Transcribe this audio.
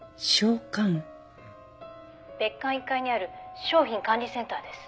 「別館１階にある商品管理センターです」